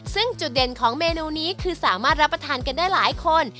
ซึ่งจุดเด่นของเมนูนี้คือสามารถรับประทานกันได้หลายคน